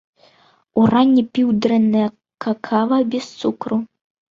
Уранні піў дрэннае какава без цукру.